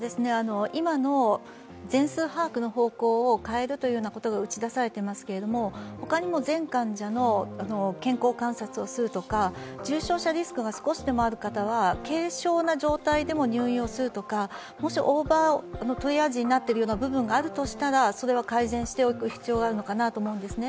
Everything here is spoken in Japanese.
今の全数把握の方向を変えるということが打ち出されていますが他にも全患者の健康観察をするとか重症化リスクが少しでもある方は軽症な状態でも入院をするとかもしオーバートリアージになっている部分があるならそれは改善しておく必要があるかなと思います。